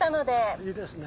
いいですね。